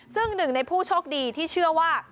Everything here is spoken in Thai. ซึ่งหนึ่งในผู้โชคดีที่เชื่อว่า